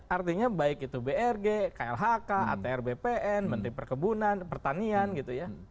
artinya baik itu brg klhk atr bpn menteri perkebunan pertanian gitu ya